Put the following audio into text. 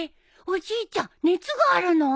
おじいちゃん熱があるの？